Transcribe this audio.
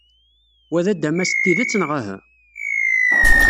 Wa d adamas n tidet neɣ uhu?